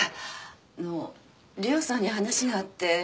あの里緒さんに話があって。